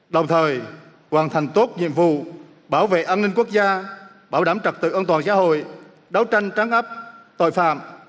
đồng thời hoàn thành tốt nhiệm vụ bảo vệ an ninh quốc gia bảo đảm trật tự an toàn xã hội đấu tranh trắng ấp tội phạm